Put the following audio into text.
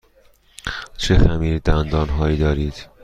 چه خمیردندان هایی دارید؟